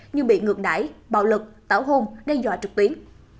như bị ngược đải bạo lực tảo hôn đe dọa trực tuyến